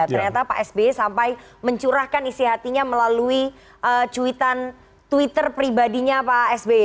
ternyata pak sby sampai mencurahkan isi hatinya melalui cuitan twitter pribadinya pak sby